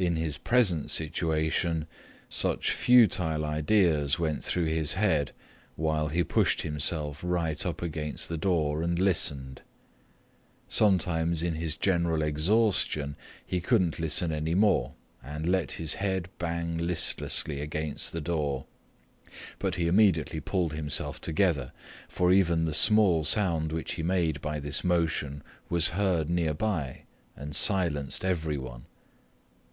In his present situation, such futile ideas went through his head, while he pushed himself right up against the door and listened. Sometimes in his general exhaustion he couldn't listen any more and let his head bang listlessly against the door, but he immediately pulled himself together, for even the small sound which he made by this motion was heard near by and silenced everyone.